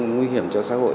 nguy hiểm cho xã hội